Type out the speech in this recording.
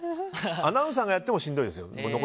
アナウンサーがやってもしんどいですよ。